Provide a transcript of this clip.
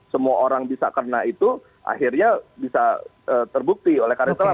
semua orang bisa karena itu akhirnya bisa terbukti oleh karisola